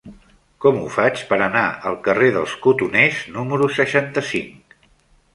Com ho faig per anar al carrer dels Cotoners número seixanta-cinc?